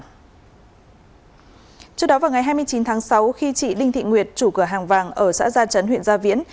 trước đó vào ngày hai mươi chín tháng sáu khi chị đinh thị nguyệt chủ cửa hàng vàng ở xã gia chấn huyện gia viễn